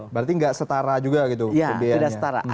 berarti tidak setara juga kebiayaannya